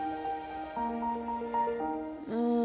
うん。